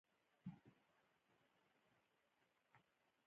په نننۍ نړۍ په تېره بیا په هېوادونو کې استعمالېږي.